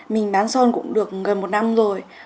mình bán son cũng được gần một năm rồi